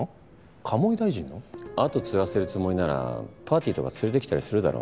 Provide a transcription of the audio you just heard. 跡継がせるつもりならパーティーとか連れてきたりするだろ？